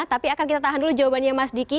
tapi akan kita tahan dulu jawabannya mas diki